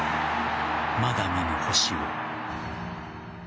まだ見ぬ星を。